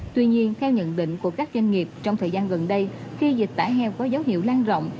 tuy nhiên theo nhận định của các doanh nghiệp trong thời gian gần đây khi dịch tả heo có dấu hiệu lan rộng